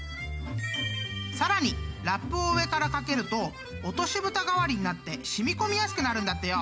［さらにラップを上から掛けると落としぶた代わりになって染み込みやすくなるんだってよ］